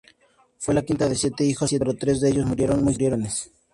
Fue la quinta de siete hijos, pero tres de ellos murieron muy jóvenes.